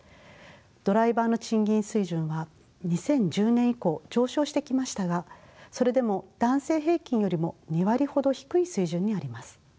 ドライバーの賃金水準は２０１０年以降上昇してきましたがそれでも男性平均よりも２割ほど低い水準にあります。